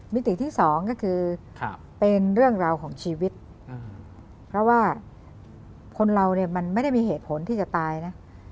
มิติที่สองก็คือเป็นเรื่องราวของชีวิตเพราะว่าคนเราเนี่ยมันไม่ได้มีเหตุผลที่จะตายนะ